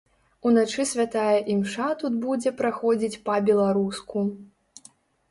Уначы святая імша тут будзе праходзіць па-беларуску.